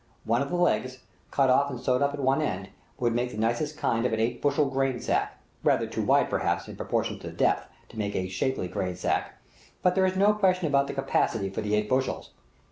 One of the legs, cut off and sewed up at one end, would make the nicest kind of an eight bushel grain sack; rather too wide, perhaps, in proportion to the depth, to make a shapely grain sack, but there is no question about the capacity for the eight bushels.